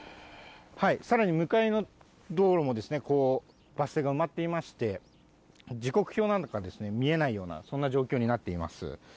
さらに向かいの道路も、バス停が埋まっていまして、時刻表などが見えないような、そんな状況になっています。